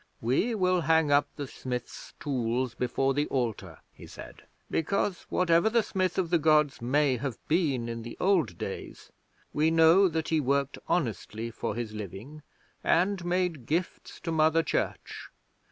We will hang up the Smith's tools before the Altar," he said, "because, whatever the Smith of the Gods may have been, in the old days, we know that he worked honestly for his living and made gifts to Mother Church."